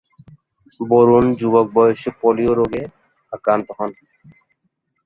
বরুণ যুবক বয়সে পোলিও রোগে আক্রান্ত হন।